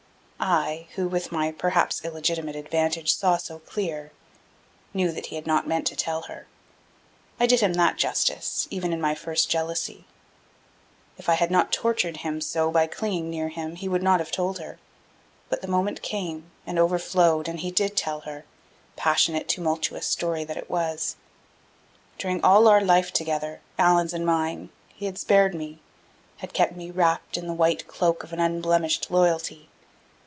I, who with my perhaps illegitimate advantage saw so clear, knew that he had not meant to tell her: I did him that justice, even in my first jealousy. If I had not tortured him so by clinging near him, he would not have told her. But the moment came, and overflowed, and he did tell her passionate, tumultuous story that it was. During all our life together, Allan's and mine, he had spared me, had kept me wrapped in the white cloak of an unblemished loyalty.